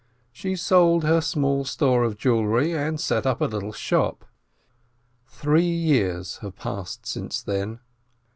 She sold her small store of jewelry, and set up a little shop. Three years have passed since then.